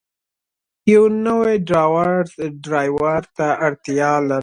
یو نوی ډرایور ته اړتیا لرم.